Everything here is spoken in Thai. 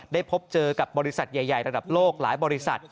พบเจอกับบริษัทใหญ่ระดับโลกหลายบริษัท